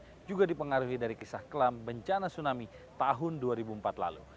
ini juga dipengaruhi dari kisah kelam bencana tsunami tahun dua ribu empat lalu